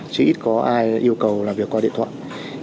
chứ ít có ai yêu cầu làm việc qua điện thoại